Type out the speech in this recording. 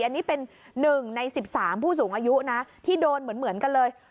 อันนี้เป็น๑ใน๑๓ผู้สูงอายุนะที่โดนเหมือนกันเลย